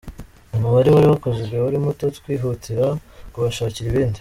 Umubare wari wakozwe wari muto, twihutira kubashakira ibindi.